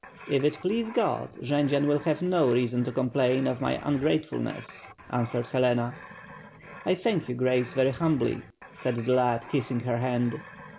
"If it please God, Jendzian will have no reason to com plain of my ungratefulness," answered Helena. "I thank your Grace, very humbly," said the lad, kissing her hand.